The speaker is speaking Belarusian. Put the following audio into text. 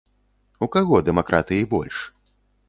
У каго дэмакратыі больш?